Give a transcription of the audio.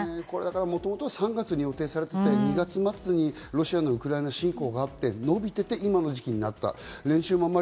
もともと３月に予定されていて、２月末にロシアのウクライナ侵攻があって、延びてて今の時期になった。